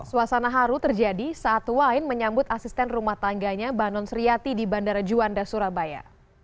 suasana haru terjadi saat wain menyambut asisten rumah tangganya banon sriati di bandara juanda surabaya